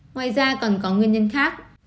ngoài ra còn có nguyên nhân khác